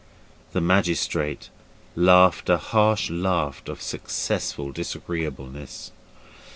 The magistrate laughed a harsh laugh of successful disagreeableness.